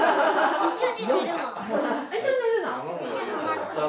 一緒に寝るの？